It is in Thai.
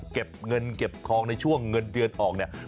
เก็บเงินเก็บทองในช่วงเงินเดือนออกเนี่ย